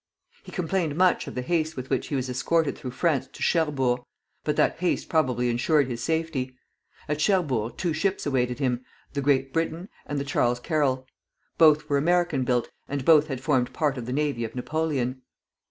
He complained much of the haste with which he was escorted through France to Cherbourg; but that haste probably insured his safety. At Cherbourg two ships awaited him, the "Great Britain" and the "Charles Carroll;" both were American built, and both had formed part of the navy of Napoleon.